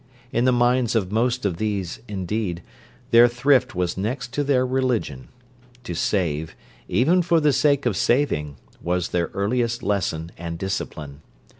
In the minds of most of these, indeed, their thrift was next to their religion: to save, even for the sake of saving, was their earliest lesson and discipline.